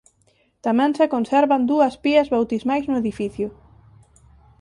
Tamén se conservan dúas pías bautismais no edificio.